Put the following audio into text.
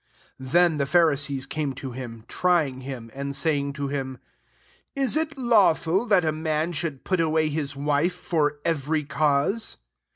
3 Then the Pharisees came to him, trying him, and saying \£o /tim,'] *' Is it lawful that a man should put away his wife for every cause?